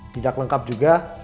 tidak lengkap juga